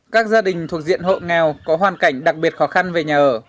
các gia đình thuộc diện hộ nghèo có hoàn cảnh đặc biệt khó khăn về nhà ở